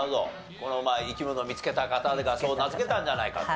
この生き物を見つけた方がそう名付けたんじゃないかと。